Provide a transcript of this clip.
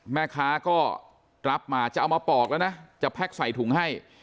แม่ค้าก็รับมาจะเอามาปอกแล้วนะจะแพ็กใส่ถุงให้